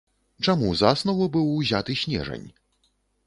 Чаму за аснову быў узяты снежань?